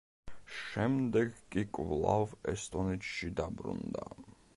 შემდეგ კი კვლავ ესტონეთში დაბრუნდა.